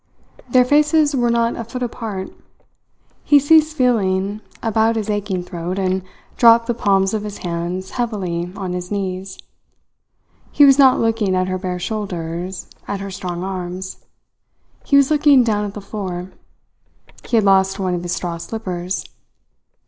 Their faces were not a foot apart. He ceased feeling about his aching throat and dropped the palms of his hands heavily on his knees. He was not looking at her bare shoulders, at her strong arms; he was looking down at the floor. He had lost one of his straw slippers.